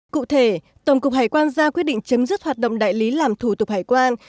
cụ thể tổng cục hải quan ra quyết định chấm dứt hoạt động đại lý làm thủ tục hải quan